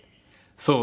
そう。